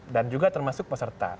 dan juga termasuk peserta